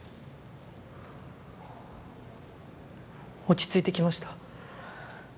落ち着いてきました。